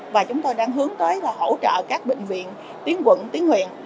và chúng tôi đang hướng tới là hỗ trợ các bệnh viện tiến quận tiến huyền